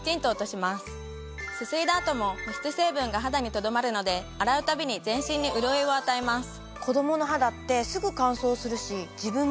すすいだ後も保湿成分が肌にとどまるので洗うたびに全身に潤いを与えます。